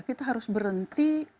kita harus berhenti